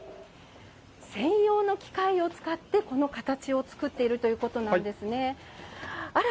専用の機械を使ってこの形を作るということなんですね。